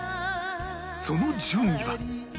その順位は